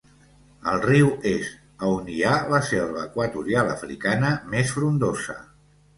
Al riu és a on hi ha la selva equatorial africana més frondosa.